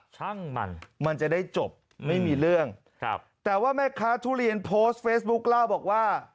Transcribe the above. ช่างมันมันจะได้จบไม่มีเรื่องครับแต่ว่าแม่ค้าทุเรียนโพสต์เฟซบุ๊คเล่าบอกว่า